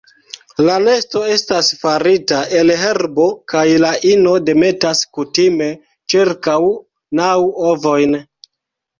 La nesto estas farita el herbo kaj la ino demetas kutime ĉirkaŭ naŭ ovojn.